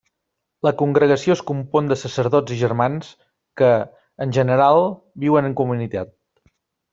La congregació es compon de sacerdots i germans que, en general, viuen en comunitat.